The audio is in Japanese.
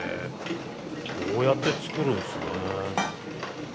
こうやって作るんすね。